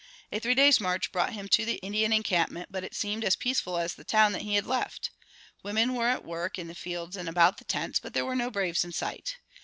A three days' march brought him to the Indian encampment, but it seemed as peaceful as the town that he had left. Women were at work in the fields and about the tents, but there were no braves in sight.